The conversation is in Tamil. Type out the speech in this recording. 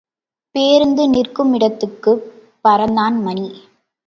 பேருந்து நிற்குமிடத்துக்குப் பறந்தான் மணி.